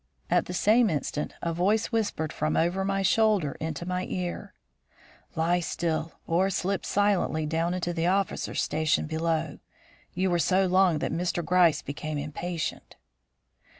At the same instant a voice whispered from over my shoulder into my ear: "Lie still; or slip silently down to the officers stationed below. You were so long that Mr. Gryce became impatient."